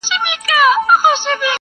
یو احمد وو بل محمود وو سره ګران وه.